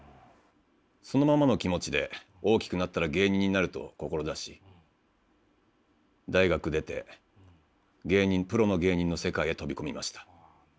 そのままの気持ちで大きくなったら芸人になると志し大学出てプロの芸人の世界へ飛び込みました。